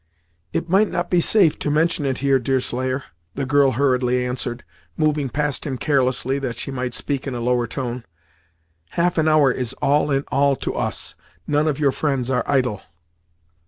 "It might not be safe to mention it here, Deerslayer," the girl hurriedly answered, moving past him carelessly, that she might speak in a lower tone; "half an hour is all in all to us. None of your friends are idle."